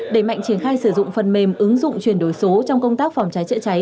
đẩy mạnh triển khai sử dụng phần mềm ứng dụng chuyển đổi số trong công tác phòng cháy chữa cháy